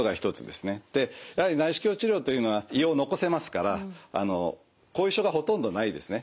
やはり内視鏡治療というのは胃を残せますから後遺症がほとんどないですね。